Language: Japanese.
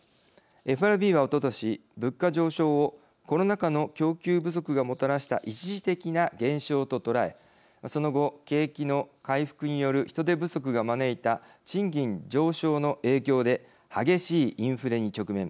ＦＲＢは、おととしコロナ禍の物価上昇を供給不足がもたらした一時的な現象と捉えその後、景気回復の人手不足が招いた賃金上昇の影響で激しいインフレに直面。